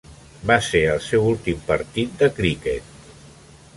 Va ser el seu últim partit de criquet.